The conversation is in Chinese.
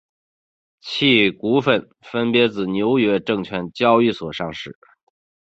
其股份分别自纽约证券交易所上市。